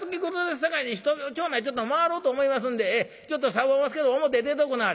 さかいに町内ちょっと回ろうと思いますんでちょっと寒うおますけど表出ておくんなはれ。